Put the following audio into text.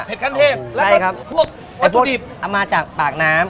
ขั้นเทพแล้วก็พวกวัตถุดิบเอามาจากปากน้ำ